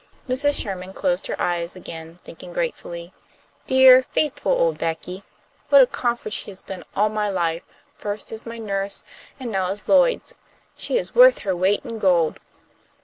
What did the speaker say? Mrs. Sherman closed her eyes again, thinking gratefully, "Dear, faithful old Becky! What a comfort she has been all my life, first as my nurse, and now as Lloyd's! She is worth her weight in gold!"